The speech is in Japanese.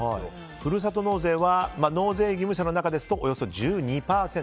ふるさと納税は納税義務者の中ですとおよそ１２％。